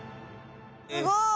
すごい！